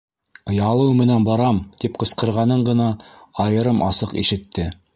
Ялыу менән барам! - тип ҡысҡырғанын ғына айырым-асыҡ ишетте.